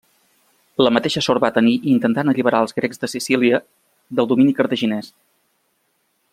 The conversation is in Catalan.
La mateixa sort va tenir intentant alliberar els grecs de Sicília del domini cartaginès.